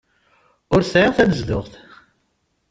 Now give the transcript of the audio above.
Ur sɛiɣ tanezduɣt.